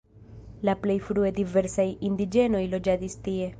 La plej frue diversaj indiĝenoj loĝadis tie.